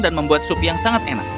dan membuat sup yang sangat enak